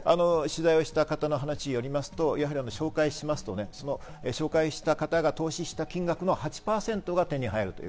取材した方の話によりますと、紹介した方が投資した金額の８％が手に入る。